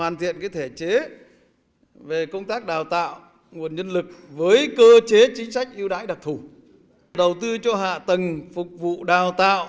nguồn nhân lực với cơ chế chính sách ưu đãi đặc thủ đầu tư cho hạ tầng phục vụ đào tạo